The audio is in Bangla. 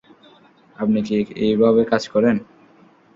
আপনি কী এইভাবে কাজ করেন?